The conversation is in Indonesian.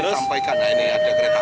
terus disampaikan ini ada kereta api